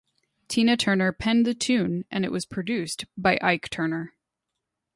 Tina Turner penned the tune and it was produced by Ike Turner.